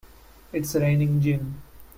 It's raining gin!